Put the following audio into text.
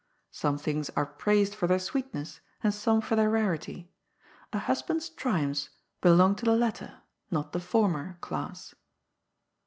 Some things are praised for their sweetness, and some for their rarity. A husband's triumphs belong to the latter, not to the former, class.